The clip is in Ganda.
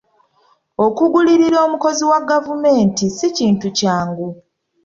Okugulirira omukozi wa gavumenti si kintu kyangu.